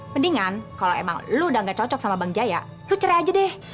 mendingan kalo emang lo udah gak cocok sama bang jaya lo cerai aja deh